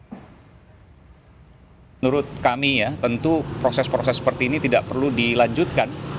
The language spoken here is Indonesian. menurut kami ya tentu proses proses seperti ini tidak perlu dilanjutkan